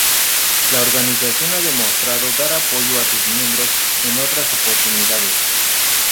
La organización ha demostrado dar apoyo a sus miembros en otras oportunidades.